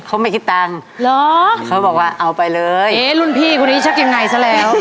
เขาไม่คิดตังค์เหรอเขาบอกว่าเอาไปเลยเอ๊ะรุ่นพี่คนนี้ชอบยังไงซะแล้ว